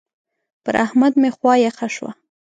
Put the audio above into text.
پر احمد مې خوا يخه شوه.